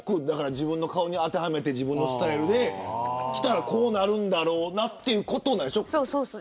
自分の顔に当てはめて自分のスタイルで着たらこうなるんだろうなっていうことでしょ。